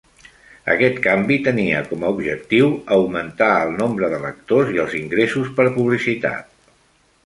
Aquest canvi tenia com a objectiu augmentar el nombre de lectors i els ingressos per publicitat.